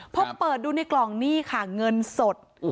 พอเปิดดูในกล่องนี่ค่ะเงินสด